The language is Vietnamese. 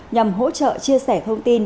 nhằm hỗ trợ chia sẻ thông tin